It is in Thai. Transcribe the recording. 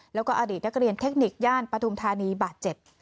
แล้วก็อดีตนักเรียนเทคนิคย่านปฐุมธานีบาดเจ็บ